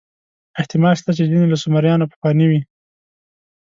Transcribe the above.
احتمال شته چې ځینې له سومریانو پخواني وي.